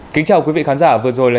kính chào quý vị khán giả